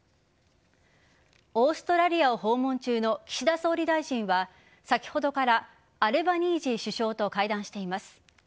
オーストラリアを訪問中の岸田総理大臣は先ほどからアルバニージー首相と会談しています。